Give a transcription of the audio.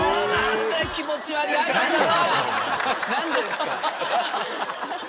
何でですか？